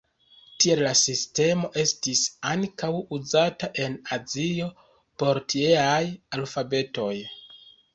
Tial la sistemo estis ankaŭ uzata en azio por tieaj alfabetoj.